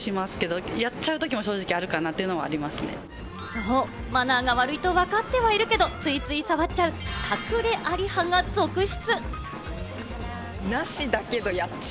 そう、マナーが悪いと分かってはいるけど、ついつい触っちゃう、隠れあり派が続出。